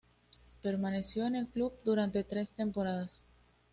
Permaneció en el club durante tres temporadas.